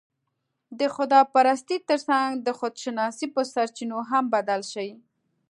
د خدا پرستۍ تر څنګ، د خودشناسۍ په سرچينو هم بدل شي